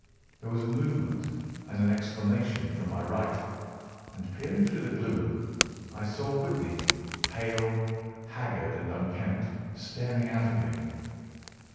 There was a movement and an exclamation from my right, and peering through the gloom, I saw Whitney, pale, haggard, and unkempt, staring out at me.